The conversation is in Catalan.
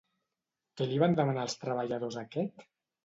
Què li van demanar els treballadors a aquest?